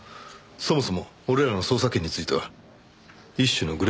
そもそも俺らの捜査権については一種のグレーゾーンだからな。